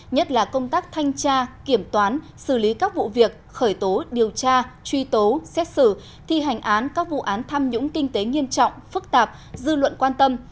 nhất là công tác thanh tra kiểm toán xử lý các vụ việc khởi tố điều tra truy tố xét xử thi hành án các vụ án tham nhũng kinh tế nghiêm trọng phức tạp dư luận quan tâm